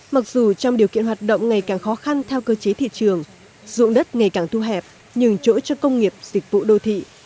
mặc dù trong điều kiện hoạt động ngày càng khó khăn theo cơ chế thị trường dụng đất ngày càng thu hẹp nhường chỗ cho công nghiệp dịch vụ đô thị